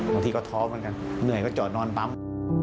บางทีก็ท้อเหมือนกันเหนื่อยก็จอดนอนปั๊ม